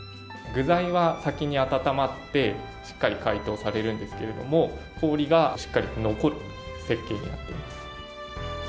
具材は先に温まって、しっかり解凍されるんですけれども、氷がしっかりと残る設計になってます。